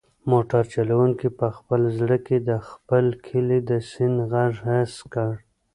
موټر چلونکي په خپل زړه کې د خپل کلي د سیند غږ حس کړ.